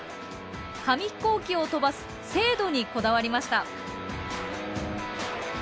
紙ヒコーキを飛ばす精度にこだわりました。